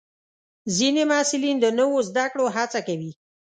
ځینې محصلین د نوو زده کړو هڅه کوي.